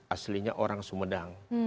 aslinya orang sumedang